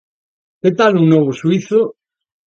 Que tal un novo xuízo?